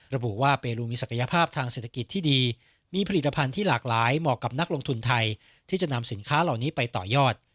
ระบุว่าเปลูมีศักยภาพทางเศรษฐกิจที่ดีมีผลิตภัณฑ์ที่หลากหลายเหมาะกับนักลงทุนไทยที่จะนำสินค้าเหล่านี้ไปต่อยอด